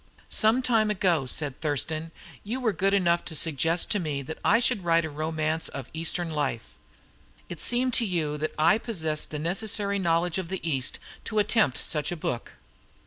"Some time ago," said Thurston, "you were good enough to suggest to me that I should write a romance of Eastern life. It seemed to you that I possessed the necessary knowledge of the East to attempt such a book."